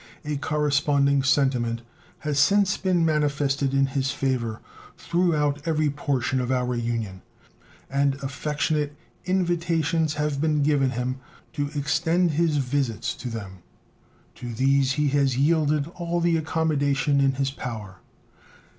A corresponding sentiment has since been manifested in his favor throughout every portion of our Union, and affectionate invitations have been given him to extend his visits to them. To these he has yielded all the accommodation in his power.